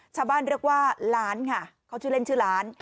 ชาวบ้านเรียกว่าล้านค่ะเขาชื่อเล่นชื่อล้าน